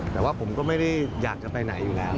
แต่ว่าผมก็ไม่ได้อยากจะไปไหนอยู่แล้ว